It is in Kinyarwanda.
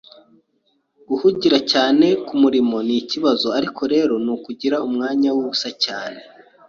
Guhugira cyane kumurimo nikibazo, ariko rero nukugira umwanya wubusa cyane.